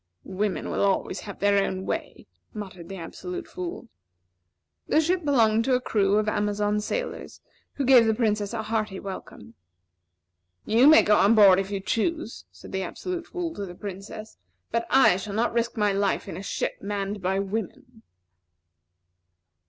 "Women will always have their own way," muttered the Absolute Fool. The ship belonged to a crew of Amazon sailors, who gave the Princess a hearty welcome. "You may go on board if you choose," said the Absolute Fool to the Princess, "but I shall not risk my life in a ship manned by women."